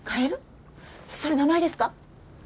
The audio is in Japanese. それ名前ですか？